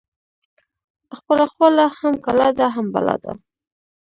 ـ خپله خوله هم کلا ده هم بلا ده.